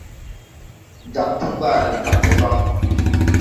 Jāg tug baara de dag deban.